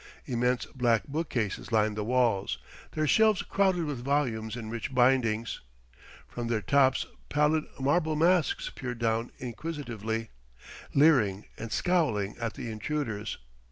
Immense black bookcases lined the walls, their shelves crowded with volumes in rich bindings; from their tops pallid marble masks peered down inquisitively, leering and scowling at the intruders.